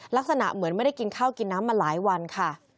ลักษณะเหมือนไม่ได้กินข้าวกินน้ำมาหลายวันค่ะ